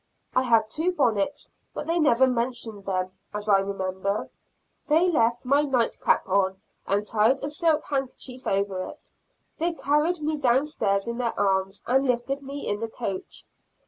I had two bonnets, but they never mentioned them, as I remember. They left my night cap on, and tied a silk handkerchief over it. They carried me down stairs in their arms, and lifted me in the coach.